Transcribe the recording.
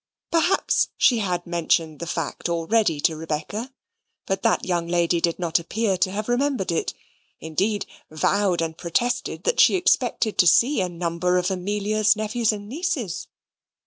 Perhaps she had mentioned the fact already to Rebecca, but that young lady did not appear to have remembered it; indeed, vowed and protested that she expected to see a number of Amelia's nephews and nieces.